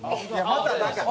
まただから。